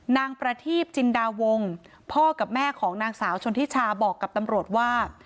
นางประทีปจินดาวงพ่อกับแม่ของนางสาวชนทิชาบอกกับตำรวจว่า